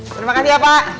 terima kasih ya pak